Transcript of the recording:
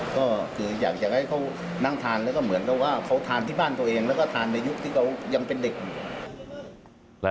ก็คืออยากให้เขานั่งทานแล้วก็เหมือนกับว่าเขาทานที่บ้านตัวเองแล้วก็ทานในยุคที่เขายังเป็นเด็กอยู่